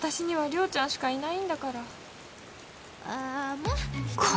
涼ちゃんしかいないんだから。